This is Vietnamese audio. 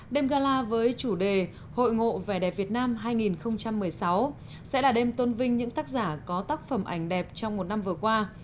đêm gala với chủ đề hội ngộ vẻ đẹp việt nam hai nghìn một mươi sáu sẽ là đêm tôn vinh những tác giả có tác phẩm ảnh đẹp trong một năm vừa qua